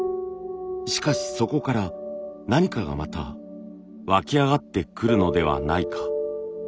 しかしそこから何かがまた湧き上がってくるのではないか。